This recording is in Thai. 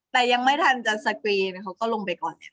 แต่ยังไม่ทันจะสกรีนเขาก็ลงไปก่อน